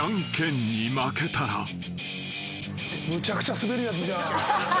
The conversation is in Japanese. むちゃくちゃスベるやつじゃん。